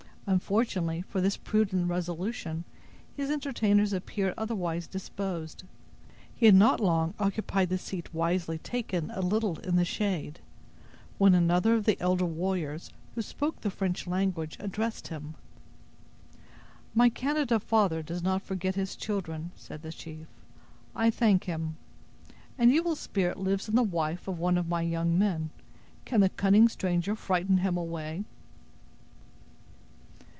Unfortunately for this prudent resolution, his entertainers appeared otherwise disposed. He had not long occupied the seat wisely taken a little in the shade, when another of the elder warriors, who spoke the French language, addressed him: "My Canada father does not forget his children," said the chief; "I thank him. An evil spirit lives in the wife of one of my young men. Can the cunning stranger frighten him away?"